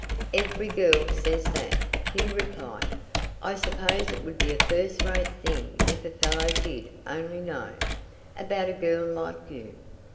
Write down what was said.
"Every girl says that," he replied. "I suppose it would be a first rate thing if a fellow did only know about a girl like you."